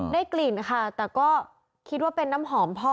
ได้กลิ่นค่ะแต่ก็คิดว่าเป็นน้ำหอมพ่อ